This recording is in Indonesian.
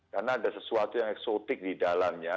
karena ada sesuatu yang eksotik di dalamnya